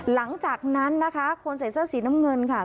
หลังจากนั้นนะคะคนใส่เสื้อสีน้ำเงินค่ะ